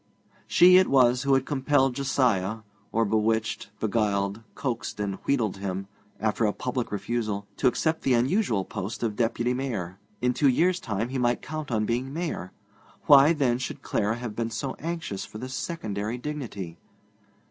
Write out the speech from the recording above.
She it was who had compelled Josiah (or bewitched, beguiled, coaxed and wheedled him), after a public refusal, to accept the unusual post of Deputy Mayor. In two years' time he might count on being Mayor. Why, then, should Clara have been so anxious for this secondary dignity?